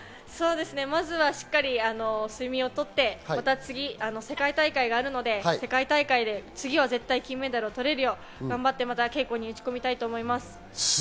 まずはしっかり睡眠を取って、また次、世界大会があるので世界大会で次は絶対金メダルを取れるよう頑張って稽古に打ち込みたいと思います。